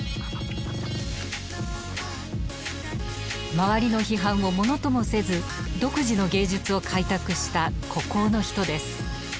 周りの批判をものともせず独自の芸術を開拓した孤高の人です。